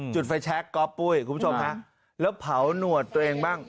จุดไฟแช็คก๊อปปุ้ยคุณผู้ชมฮะแล้วเผาหนวดตัวเองบ้าง